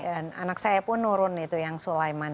dan anak saya pun nurun itu yang sulaiman